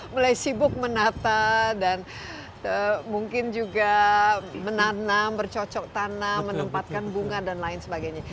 mulai sibuk menata dan mungkin juga menanam bercocok tanam menempatkan bunga dan lain sebagainya